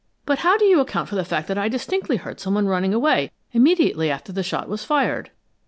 "But how do you account for the fact that I distinctly heard some one running away immediately after the shot was fired?"